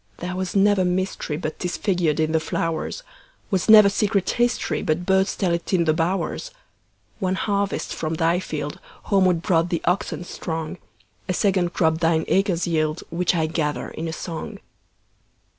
There was never mysteryBut 'tis figured in the flowers; SWas never secret historyBut birds tell it in the bowers. One harvest from thy fieldHomeward brought the oxen strong;A second crop thine acres yield, Which I gather in a song.